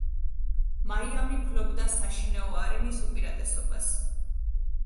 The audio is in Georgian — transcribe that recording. მაიამი ფლობდა საშინაო არენის უპირატესობას.